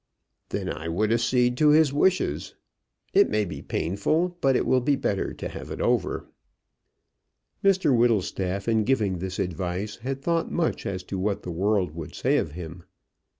"Then I would accede to his wishes. It may be painful, but it will be better to have it over." Mr Whittlestaff, in giving this advice, had thought much as to what the world would say of him.